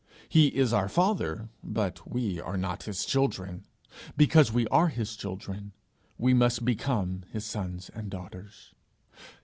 He is our father, but we are not his children. Because we are his children, we must become his sons and daughters.